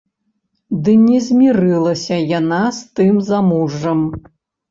Ды не змірылася яна з тым замужжам.